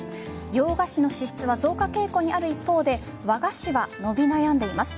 洋菓子の支出は増加傾向にある一方で和菓子は伸び悩んでいます。